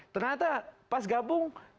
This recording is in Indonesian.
ternyata pas gabung